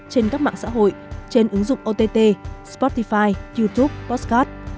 trên các mạng xã hội trên ứng dụng ott spotify youtube postcard